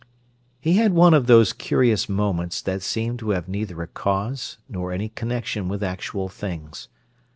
He had one of those curious moments that seem to have neither a cause nor any connection with actual things.